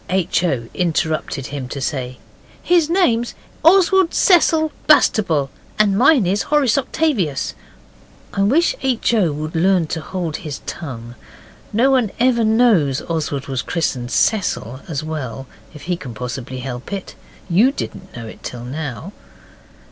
H. O. interrupted him to say, 'His name's Oswald Cecil Bastable, and mine is Horace Octavius.' I wish H. O. would learn to hold his tongue. No one ever knows Oswald was christened Cecil as well, if he can possibly help it. YOU didn't know it till now.